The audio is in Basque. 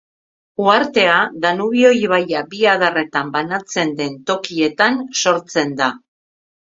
Uhartea Danubio ibaia bi adarretan banatzen den tokietan sortzen da.